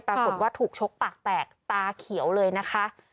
ปรากฏว่าถูกชกปากแตกตาเขียวเลยนะคะ